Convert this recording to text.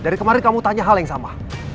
dari kemarin kamu tanya hal yang sama